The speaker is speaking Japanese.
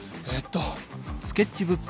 えっと。